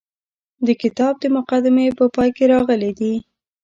د کتاب د مقدمې په پای کې راغلي دي.